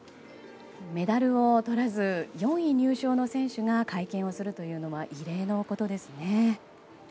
メダルをとらず４位入賞の選手が会見をするというのは異例のことですね。